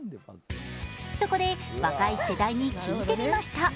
そこで若い世代に聞いてみました。